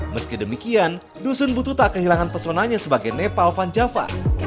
meski demikian dusun butuh tak kehilangan pesonanya sebagai nepal van java